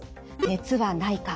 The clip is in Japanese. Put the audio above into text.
熱はないか